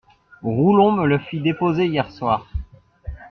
Roulon me le fit déposer hier soir.